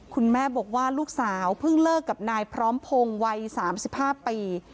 คุณแม่บอกว่าลูกสาวเพิ่งเลิกกับนายพร้อมพงศ์วัย๓๕ปี